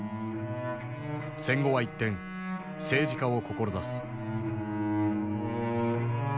戦後は一転政治家を志す。